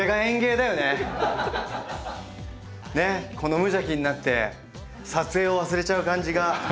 無邪気になって撮影を忘れちゃう感じが。